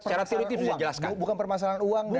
jadi bukan permasalahan uang bukan permasalahan uang dan